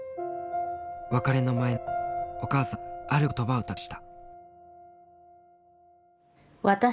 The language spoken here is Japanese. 別れの前の晩お母さんはある言葉を託した。